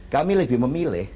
kami lebih memilih